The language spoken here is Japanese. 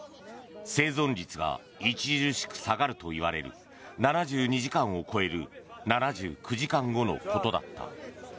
生存率が著しく下がるといわれる７２時間を超える７９時間後のことだった。